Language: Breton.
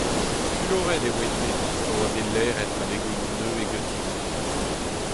Fuloret e oan-me pa oa bet laeret ma legoioù nevez ganti.